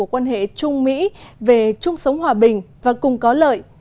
quan hệ trung mỹ về chung sống hòa bình và cùng có lợi